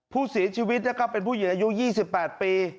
ผู้เสียชีวิตนะครับเป็นผู้หญิงอายุ๒๘ปี